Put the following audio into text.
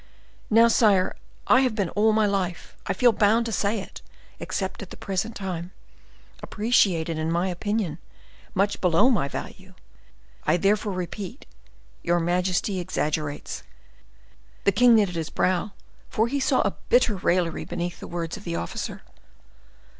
Now, sire, I have been all my life—I feel bound to say it—except at the present time, appreciated, in my opinion, much below my value. I therefore repeat, your majesty exaggerates." The king knitted his brow, for he saw a bitter raillery beneath the words of the officer.